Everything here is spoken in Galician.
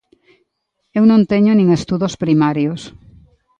Eu non teño nin estudos primarios.